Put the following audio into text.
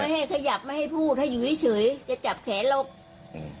เออไม่ให้ขยับไม่ให้พูดให้อยู่เฉยจะจับแขนเรา